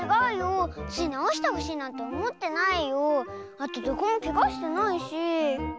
あとどこもケガしてないし。